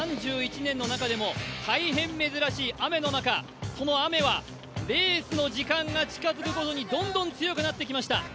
３１年の中でも大変珍しい雨の中、その雨はレースの時間が近づくほどにどんどん強くなってきました。